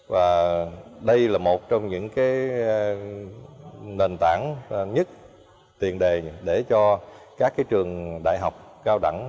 và đây là một trong những nền tảng nhất tiền đề để cho các trường đại học cao đẳng